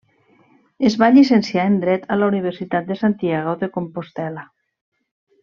Es va llicenciar en Dret a la Universitat de Santiago de Compostel·la.